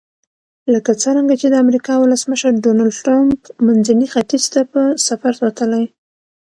لکه څرنګه چې د امریکا ولسمشر ډونلډ ټرمپ منځني ختیځ ته په سفر وتلی.